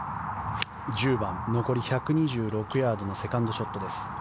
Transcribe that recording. １０番、残り１２６ヤードのセカンドショットです。